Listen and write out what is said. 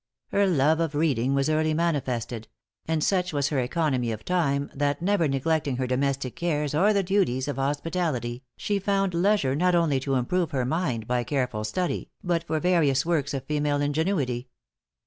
Her love of reading was early manifested; and such was her economy of time, that, never neglecting her domestic cares or the duties of hospitality, she found leisure not only to improve her mind by careful study, but for various works of female ingenuity.